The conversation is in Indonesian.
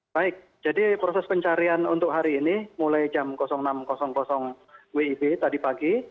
baik jadi proses pencarian untuk hari ini mulai jam enam wib tadi pagi